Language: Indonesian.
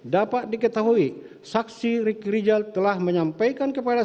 dapat diketahui saksi riki rizal telah menyampaikan kepada